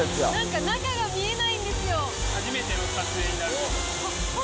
なんか、初めての撮影になると。